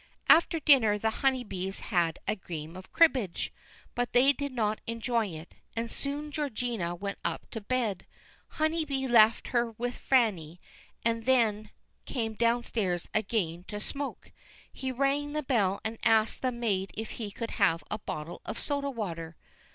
After dinner the Honeybees had a game of cribbage, but they did not enjoy it, and soon Georgina went up to bed. Honeybee left her with Fanny, and then came downstairs again to smoke. He rang the bell and asked the maid if he could have a bottle of soda water.